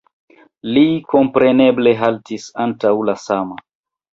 Li kompreneble haltis antaŭ la sama.